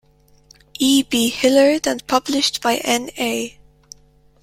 E. B. Hillard and published by N. A.